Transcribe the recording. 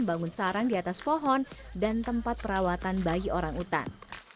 bangun sarang di atas pohon dan tempat perawatan bayi orang utan